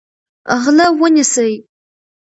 غله ونیسئ.